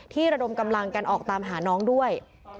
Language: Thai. ระดมกำลังกันออกตามหาน้องด้วย